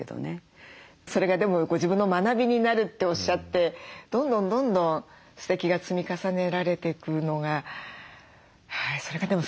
それがでもご自分の学びになるっておっしゃってどんどんどんどんすてきが積み重ねられていくのがそれがでもさり気ないんですよね